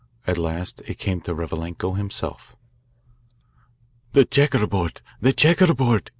At last it came to Revalenko himself. "The checkerboard, the checkerboard!"